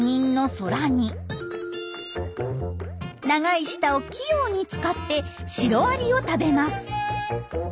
長い舌を器用に使ってシロアリを食べます。